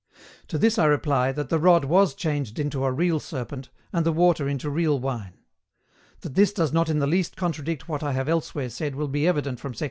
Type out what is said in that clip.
To this I reply, that the rod was changed into a real serpent, and the water into real wine. That this does not in the least contradict what I have elsewhere said will be evident from sect.